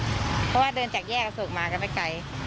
เพราะว่าเดินจากแยกอโศกมากันไม่ไกล